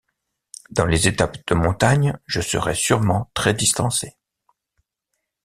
Dans les étapes de montagnes je serai sûrement tres distancé.